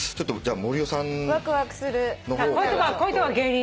森尾さんに何？